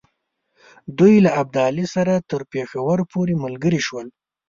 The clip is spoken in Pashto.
دوی له ابدالي سره تر پېښور پوري ملګري شول.